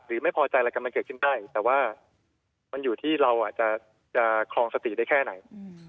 ไม่พอใจอะไรกำลังเกิดขึ้นได้แต่ว่ามันอยู่ที่เราจะครองสติได้แค่ไหน